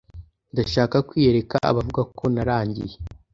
ndashaka kwiyereka abavuga ko narangiye